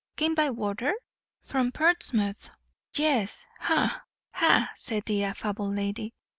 "Came by water?" "From Portsmouth." "Yes ha, ha!" said the affable lady.